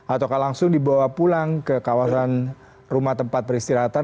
atau langsung dibawa pulang ke kawasan rumah tempat peristirahatan